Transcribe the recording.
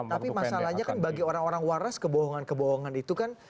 tapi masalahnya kan bagi orang orang waras kebohongan kebohongan itu kan